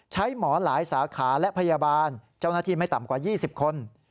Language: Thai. หมอหลายสาขาและพยาบาลเจ้าหน้าที่ไม่ต่ำกว่า๒๐คน